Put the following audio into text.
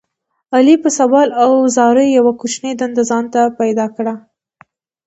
علي په سوال او زاریو یوه کوچنۍ دنده ځان ته پیدا کړله.